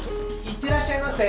いってらっしゃいませ！